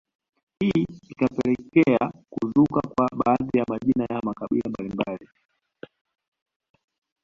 Hii ikapekelekea kuzuka kwa baadhi ya majina ya makabila mbalimbali